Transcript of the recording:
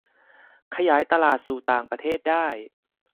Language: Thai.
ขยายตลาดสู่ต่างประเทศได้